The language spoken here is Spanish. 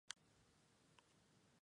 La Chapelle-Saint-Aubin